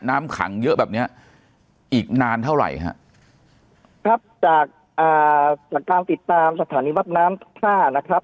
น้ำขังเยอะแบบเนี้ยอีกนานเท่าไหร่ฮะครับจากอ่าจากการติดตามสถานีวัดน้ำท่านะครับ